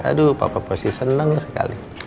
aduh papa pasti senang sekali